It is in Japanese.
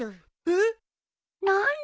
えっ？何で！？